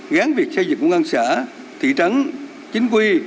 gán việc xây dựng công an xã thị trắng chính quy